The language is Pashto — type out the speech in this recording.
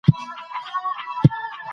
ژوند د مهربانۍ څراغ دئ